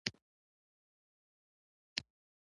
د ټولو احتمالي پېښو مخه ونیسي.